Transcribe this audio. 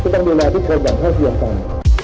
ต้องดูแลทุกคนอย่างเข้าทีย์อย่างกัน